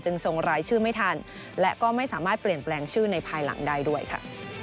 ส่งรายชื่อไม่ทันและก็ไม่สามารถเปลี่ยนแปลงชื่อในภายหลังได้ด้วยค่ะ